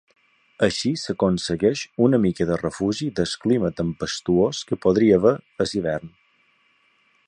Així s'aconsegueix una mica de refugi del clima tempestuós que podria haver a l'hivern.